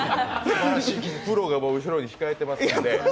技術のプロが後ろに控えてますので。